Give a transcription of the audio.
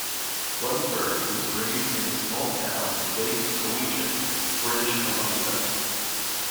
Lundberg was raised in the small town Lake Cowichan, British Columbia.